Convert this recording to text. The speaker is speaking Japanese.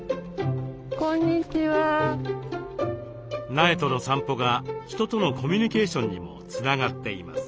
苗との散歩が人とのコミュニケーションにもつながっています。